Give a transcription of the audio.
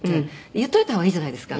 「言っといた方がいいじゃないですか」